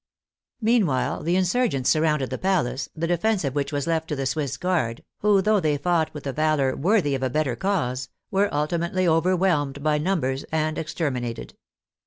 Meanwhile the insurgents surrounded the palace, the 4® THE FRENCH REVOLUTION defense of which was left to the Swiss Guard, who, though they fought with a valor worthy of a better cause, were ultimately overwhelmed by numbers and extermi nated.